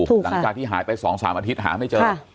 หลังจากที่หายไป๒๓อาทิตย์หาไม่เจอ